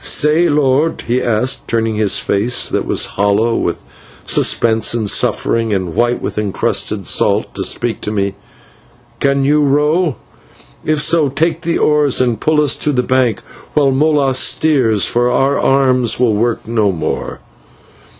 "Say, lord," he asked, turning his face that was hollow with suspense and suffering, and white with encrusted salt, to speak to me, "can you row? If so, take the oars and pull us to the bank while Molas steers, for our arms will work no more."